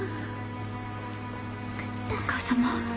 お義母様。